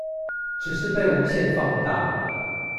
只是被無限放大